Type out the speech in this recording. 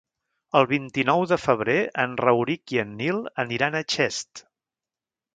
El vint-i-nou de febrer en Rauric i en Nil aniran a Xest.